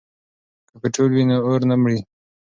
که پټرول وي نو اور نه مري.